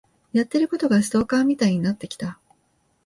やってることがストーカーみたいになってきた。